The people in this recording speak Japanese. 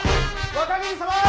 若君様！